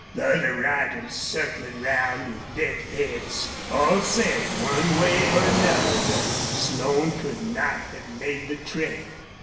The other riders, circling round with bent heads, all said one way or another that Slone could not have made the trail.